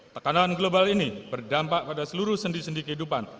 tekanan global ini berdampak pada seluruh sendi sendi kehidupan